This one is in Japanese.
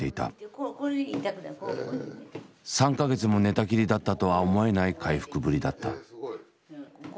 ３か月も寝たきりだったとは思えない回復ぶりだった。